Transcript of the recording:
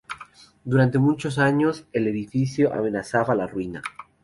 Durante muchos años el edificio amenazaba la ruina.